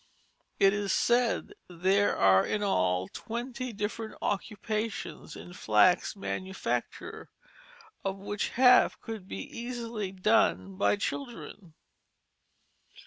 It is said there are in all twenty different occupations in flax manufacture, of which half can be easily done by children.